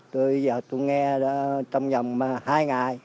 từ giờ tôi nghe trong vòng hai ngày